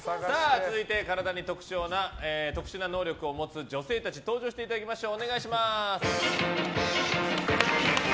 続いて体に特殊な能力を持つ女性たち登場していただきましょう。